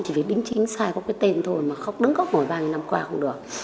chỉ vì đính chính sai có cái tên thôi mà khóc đứng góc ngồi ba năm qua không được